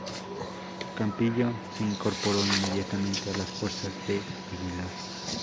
Campillo se incorporó inmediatamente a las fuerzas de Aguilar.